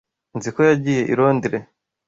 Nzi ko yagiye i Londres.